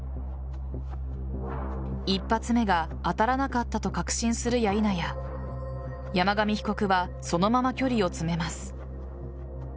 １発目が当たらなかったと確信するや否や山上被告はそのまま距離を詰めます。